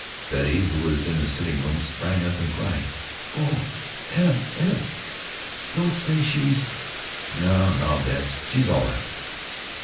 Betty, who was in the sitting room, sprang up and cried: "Oh! Eb! Eb! Don't say she's " "No, no, Betts, she's all right.